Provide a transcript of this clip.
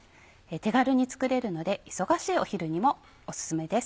手軽に作れるので忙しいお昼にもオススメです。